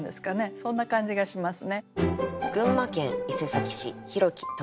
そんな感じがしますね。